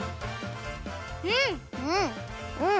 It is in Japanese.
うん！